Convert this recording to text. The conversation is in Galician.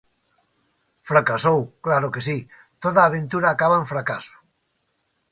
Fracasou, claro que si, toda aventura acaba en fracaso.